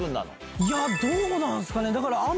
どうなんすかね？